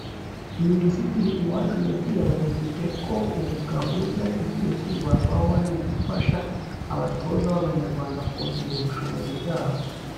Minisitiri Uwacu yabwiye abadepite ko ubu gahunda igiye kwibandwaho ari ugufasha abatoza b’abanyarwanda bakongera ubushobozi bwabo